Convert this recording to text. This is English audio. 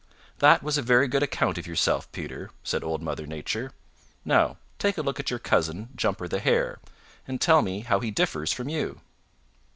"That was a very good account of yourself, Peter," said Old Mother Nature. "Now take a look at your cousin, Jumper the Hare, and tell me how he differs from you."